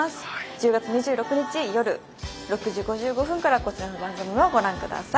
１０月２６日夜６時５５分からこちらの番組もご覧ください。